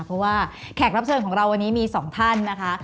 เพราะว่าแขกรับเชิญของเราวันนี้มีสองท่านนะคะ